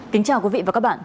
kính chào quý vị và các bạn